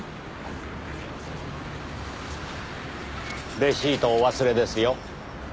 レシートをお忘れですよ。